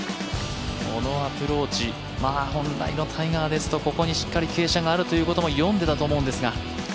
このアプローチ、本来のタイガーですとここにしっかりと傾斜があることも読んでいたと思うんですが。